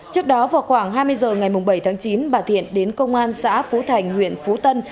trước đó vào khoảng hai mươi h ngày bảy tháng chín bà thiện đến công an xã phú thành huyện phú tân